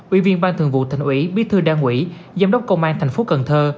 ủy viên ban thường vụ thành ủy bí thư đảng ủy giám đốc công an thành phố cần thơ